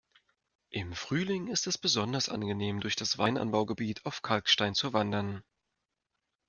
Im Frühling ist es besonders angenehm durch das Weinanbaugebiet auf Kalkstein zu wandern.